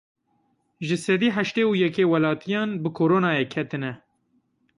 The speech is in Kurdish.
Ji sedî heştê û yekê welatiyan bi koronayê ketine.